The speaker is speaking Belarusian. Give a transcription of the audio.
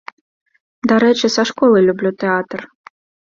Дарэчы, са школы люблю тэатр.